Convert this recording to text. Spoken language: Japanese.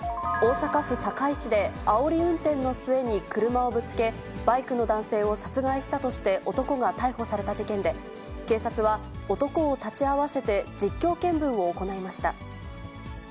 大阪府堺市で、あおり運転の末に車をぶつけ、バイクの男性を殺害したとして、男が逮捕された事件で、警察は、男を立ち会わせて実況見分を行いました。